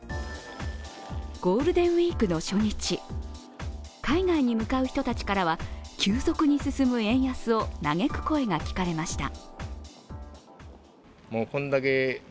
ゴールデンウイークの初日、海外に向かう人たちからは急速に進む円安を嘆く声が聞かれました。